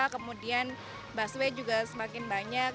kemudian busway juga semakin banyak